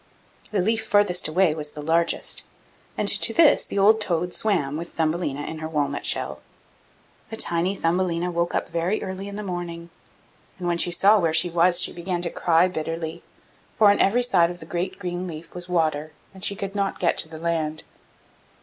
The leaf farthest away was the largest, and to this the old toad swam with Thumbelina in her walnut shell. The tiny Thumbelina woke up very early in the morning, and when she saw where she was she began to cry bitterly; for on every side of the great green leaf was water, and she could not get to the land.